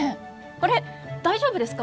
これ大丈夫ですか？